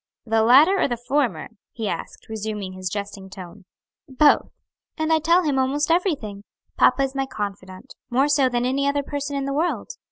"The latter or the former?" he asked, resuming his jesting tone. "Both. And I tell him almost everything. Papa is my confidant; more so than any other person in the world."